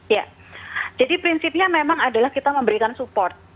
ya jadi prinsipnya memang adalah kita memberikan support